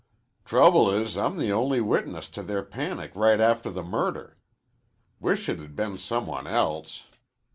"Trouble is I'm the only witness to their panic right after the murder. Wish it had been some one else.